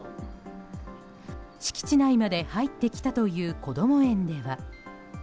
敷地内まで入ってきたというこども園では。